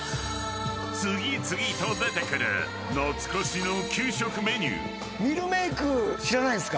次々と出てくる懐かしの給食メニュー。